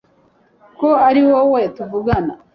ko ari wowe tuvugana